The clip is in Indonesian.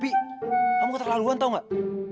bi kamu keterlaluan tau gak